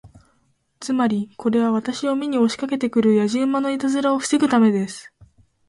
つまり、これは私を見に押しかけて来るやじ馬のいたずらを防ぐためです。